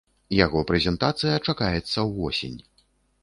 Яго прэзентацыя чакаецца ўвосень.